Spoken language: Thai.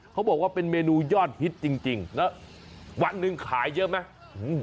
เขาบอกว่าเป็นเมนูยอดฮิตจริงแล้ววันหนึ่งขายเยอะไหม